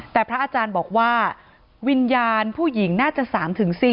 แต่พระอาจารย์บอกว่าวิญญาณผู้หญิงน่าจะ๓๔